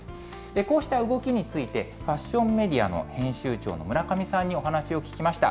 こうした動きについて、ファッションメディアの編集長の村上さんにお話を聞きました。